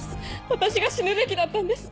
私が死ぬべきだったんです！